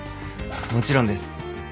もちろんです。